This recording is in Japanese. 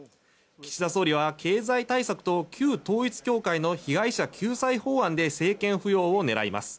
岸田総理は経済対策と旧統一教会の被害者救済法案で政権浮揚を狙います。